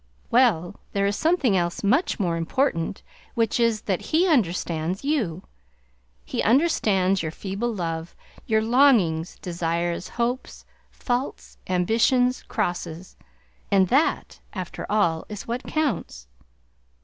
"Well, there is something else much more important, which is, that He understands you! He understands your feeble love, your longings, desires, hopes, faults, ambitions, crosses; and that, after all, is what counts!